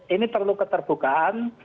ini perlu keterbukaan